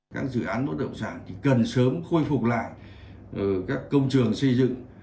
các dự án bất động sản thì cần sớm khôi phục lại các công trường xây dựng